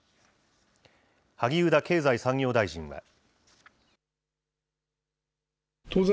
萩生田経済産業大臣は。